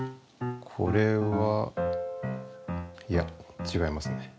これはいやちがいますね。